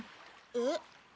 えっ？